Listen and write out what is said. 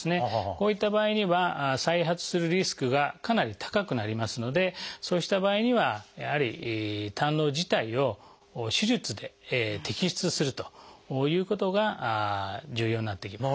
こういった場合には再発するリスクがかなり高くなりますのでそうした場合にはやはり胆のう自体を手術で摘出するということが重要になってきます。